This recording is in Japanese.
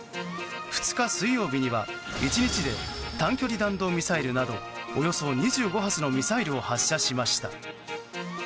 ２日水曜日には１日で短距離弾道ミサイルなどおよそ２５発のミサイルを発射しました。